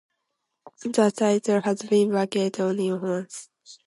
The title has been vacated only once.